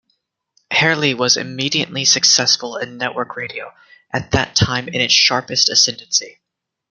Herlihy was immediately successful in network radio, at that time in its sharpest ascendancy.